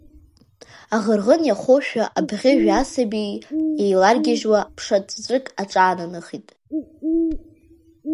Аӷырӷын иахоушәа абӷьыжәи асабеи еиларгьежьуа ԥша ҵәыҵәык аҿаанахеит.